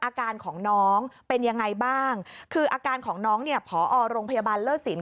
อาการของน้องเป็นยังไงบ้างคืออาการของน้องเนี่ยผอโรงพยาบาลเลิศสิน